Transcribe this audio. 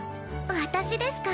私ですか？